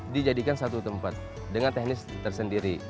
dijadikan satu tempat dengan teknis tersendiri